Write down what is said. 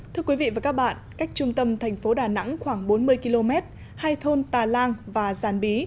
thưa quý vị và các bạn cách trung tâm thành phố đà nẵng khoảng bốn mươi km hai thôn tà lan và giàn bí